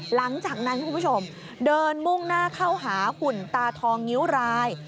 หลังจากนั้นคุณผู้ชมเดินมุ่งหน้าเข้าหาหุ่นตาทองงิ้วราย